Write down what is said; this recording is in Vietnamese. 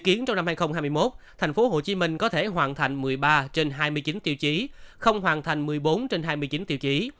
dự kiến trong năm hai nghìn hai mươi một tp hcm có thể hoàn thành một mươi ba trên hai mươi chín tiêu chí không hoàn thành một mươi bốn trên hai mươi chín tiêu chí